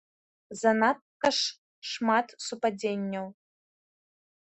Занадта ж шмат супадзенняў.